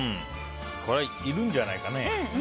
これはいるんじゃないかね。